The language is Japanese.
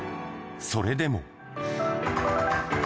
それでも。